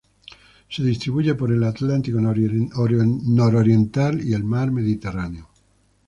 Se distribuye por el Atlántico nororiental y el mar Mediterráneo.